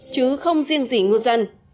chứ không riêng gì ngư dân